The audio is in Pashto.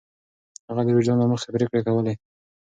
هغه د وجدان له مخې پرېکړې کولې.